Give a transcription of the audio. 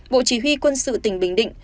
bộ chỉ huy quân sự tỉnh bình định